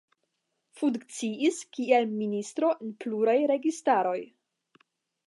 Funkciis kiel ministro en pluraj registaroj.